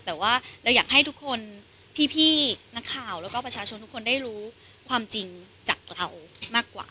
แต่ว่าเราอยากให้ทุกคนพี่นักข่าวแล้วก็ประชาชนทุกคนได้รู้ความจริงจากเรามากกว่า